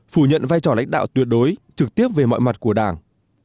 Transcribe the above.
phủ nhận vai trò lãnh đạo tuyệt đối trực tiếp về mọi mặt của đảng